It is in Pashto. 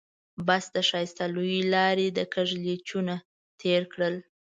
بس د ښایسته لويې لارې کږلېچونه تېر کړل.